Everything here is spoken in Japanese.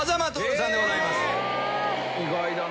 意外だな。